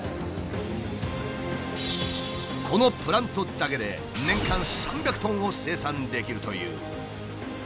このプラントだけで年間３００ｔを生産できるという。